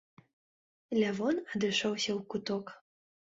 Лявон адышоўся ў куток.